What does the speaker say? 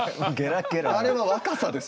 あれは若さですよね。